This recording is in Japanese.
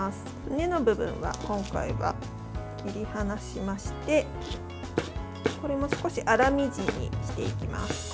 根の部分は今回は切り離しましてこれも少し粗みじんにしていきます。